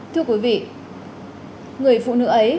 thưa quý vị người phụ nữ ấy